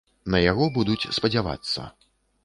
На яго будуць спадзявацца.